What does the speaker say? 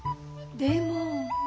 でも。